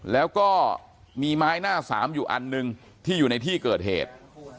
แล้วก็มีไม้หน้าสามอยู่อันหนึ่งที่อยู่ในที่เกิดเหตุ